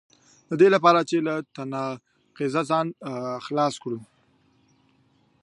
د دې لپاره چې له تناقضه ځان خلاص کړو.